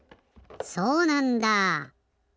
そうなんだ。